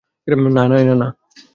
না, নায়না।